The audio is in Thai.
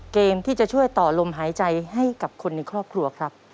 เกมที่จะช่วยต่อลมหายใจให้กับคนในครอบครัวครับ